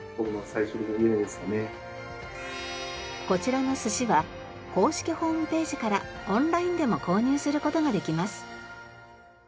こちらの寿司は公式ホームページからオンラインでも購入する事ができます。